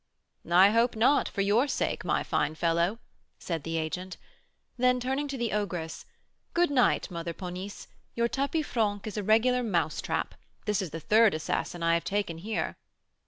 "I hope not, for your sake, my fine fellow," said the agent; then, turning to the ogress, "Good night, Mother Ponisse; your tapis franc is a regular mouse trap; this is the third assassin I have taken here."